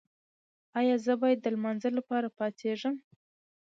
ایا زه باید د لمانځه لپاره پاڅیږم؟